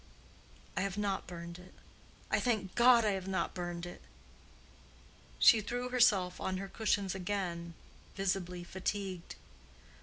I have not burned it. I thank God I have not burned it!" She threw herself on her cushions again, visibly fatigued.